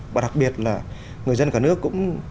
và đặc biệt là người dân cả nước cũng